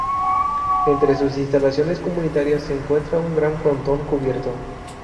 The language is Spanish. Entre sus instalaciones comunitarias se encuentra un gran frontón cubierto.